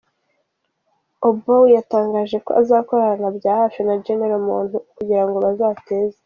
Oboi yatangaje ko azakorana bya hafi na Generari Muntu kugira ngo bazateze.